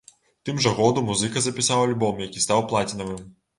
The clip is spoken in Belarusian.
У тым жа году музыка запісаў альбом, які стаў плацінавым.